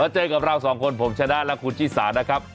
เจอกับเราสองคนผมชนะและคุณชิสานะครับ